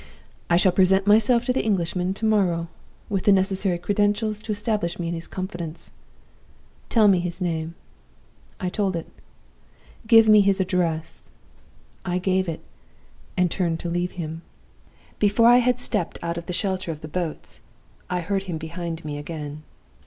I shall present myself to the Englishman to morrow, with the necessary credentials to establish me in his confidence. Tell me his name?' "I told it. "'Give me his address?' "I gave it, and turned to leave him. Before I had stepped out of the shelter of the boats, I heard him behind me again.